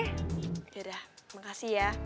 yaudah makasih ya